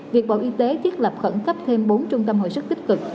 việc bộ y tế thiết lập khẩn cấp thêm bốn trung tâm hồi sức tích cực